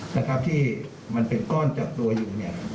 แต่คราบที่มันเป็นก้อนจับตัวอยู่